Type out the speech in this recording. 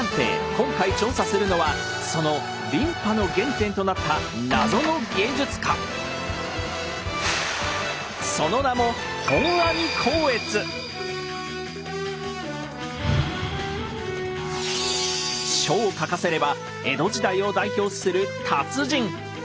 今回調査するのはその琳派の原点となったその名も書を書かせれば江戸時代を代表する達人。